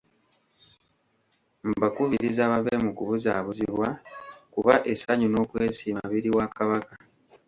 Mbakubiriza bave mu kubuzaabuzibwa kuba essanyu n’okwesiima biri wa Kabaka.